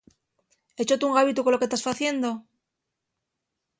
¿Échote un gabitu colo que tas faciendo?